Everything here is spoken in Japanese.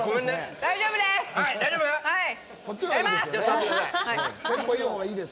大丈夫でーす！